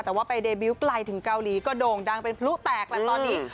แต่ว่าไปเดบิวต์ไกลถึงเกาหลีก็โด่งดังเป็นพลุแตกแหละตอนนี้